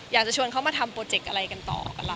อยากจะชวนเขามาทำโปรเจกต์อะไรกันต่อกับเรา